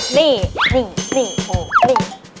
นี่นี่นี่นี่